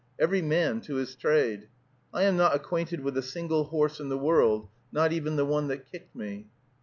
Every man to his trade. I am not acquainted with a single horse in the world, not even the one that kicked me.